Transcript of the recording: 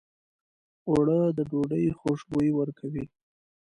اوړه د ډوډۍ خوشبويي ورکوي